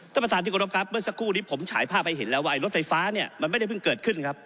ท่านประธานที่กรบครับเมื่อสักครู่นี้ผมฉายภาพให้เห็นแล้วว่ารถไฟฟ้าเนี่ยมันไม่ได้เพิ่งเกิดขึ้นครับ